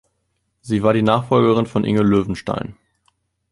Sie war die Nachfolgerin von Inge Löwenstein.